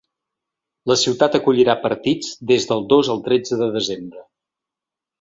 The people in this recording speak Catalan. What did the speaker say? La ciutat acollirà partits des del dos al tretze de desembre.